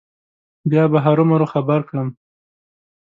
بیا به هرو مرو خبر کړم.